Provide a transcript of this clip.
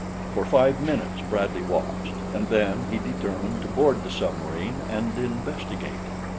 For five minutes Bradley watched, and then he determined to board the submarine and investigate.